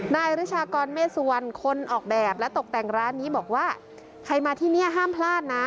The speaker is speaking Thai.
นายฤชากรเมฆสุวรรณคนออกแบบและตกแต่งร้านนี้บอกว่าใครมาที่นี่ห้ามพลาดนะ